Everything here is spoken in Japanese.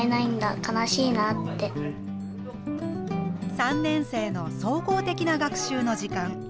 ３年生の総合的な学習の時間。